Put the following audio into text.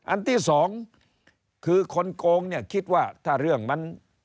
อันที่สองคือคนโกงเนี่ยคิดว่าถ้าเรื่องมัน